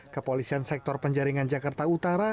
kepolisian sektor penjaringan jakarta utara